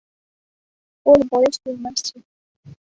ওর বয়স তিন মাস ছিলো।